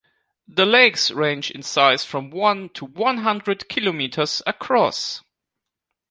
The lakes range in size from one to one-hundred kilometers across.